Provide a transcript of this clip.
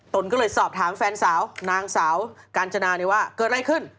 ตนก็เลยสอบถามแฟนสาวนางสาวกาญจนาว่าเกิดอะไรขึ้น